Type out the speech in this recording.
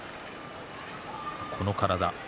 この体。